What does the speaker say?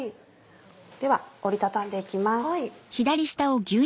では折りたたんで行きます。